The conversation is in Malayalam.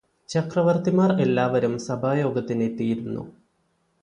ചക്രവര്ത്തിമാര് എല്ലാവരും സഭായോഗത്തിന് എത്തിയിരുന്നു